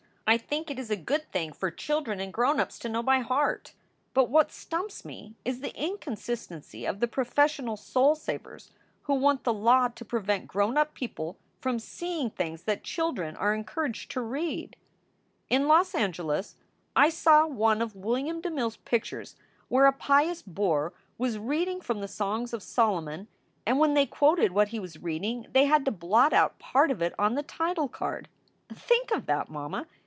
I think it is a good thing for children and grown ups to know by heart. But what stumps me is the inconsistency of the professional soul savers who want the law to prevent grown up people from seeing things that children are encouraged to read. 386 SOULS FOR SALE In Los Angeles I saw one of William de Mille s pictures where a pious Boer was reading from The Songs of Solomon, and when they quoted what he was reading they had to blot out part of it on the title card. Think of that, mamma!